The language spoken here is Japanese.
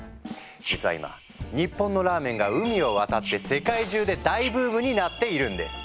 実は今日本のラーメンが海を渡って世界中で大ブームになっているんです。